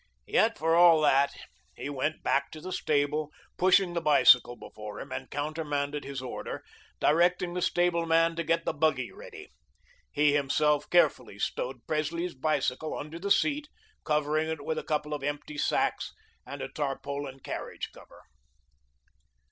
Yet, for all that, he went back to the stable, pushing the bicycle before him, and countermanded his order, directing the stableman to get the buggy ready. He himself carefully stowed Presley's bicycle under the seat, covering it with a couple of empty sacks and a tarpaulin carriage cover.